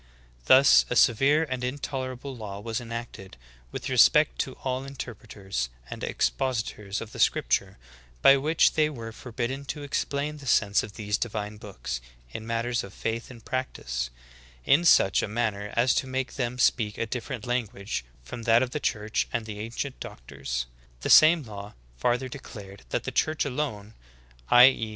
Thus : 'A severe and intolerable law was enacted, with respect to all inter preters and expositors of the scriptures, by which they were forbidden to explain the sense of these divine books, in matters of faith and practice, in such a manner as to make them speak a different language from that of the church and the ancient doctors. The same law farther declared that the church alone (i. e.